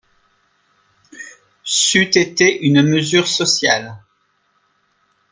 C’eût été une mesure sociale